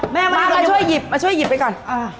มาก่อนช่วยหยิบมาช่วยหยิบไว้ก่อน